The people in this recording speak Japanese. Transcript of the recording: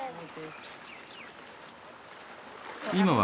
今は？